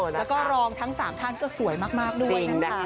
แล้วก็รองทั้งสามท่านก็สวยมากด้วย